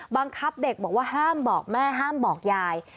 บังคับเด็กบอกว่าห้ามบอกแม่ห้ามบอกยาย